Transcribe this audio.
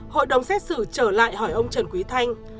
hội đồng xét xử trở lại hỏi ông trần quý thanh